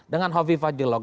dengan hovifah jeblok